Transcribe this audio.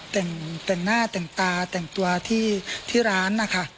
แต่งแต่งหน้าแต่งตาแต่งตัวที่ร้านนะคะ